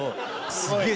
すげえ